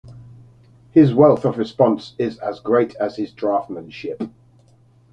His wealth of response is as great as his draftsmanship.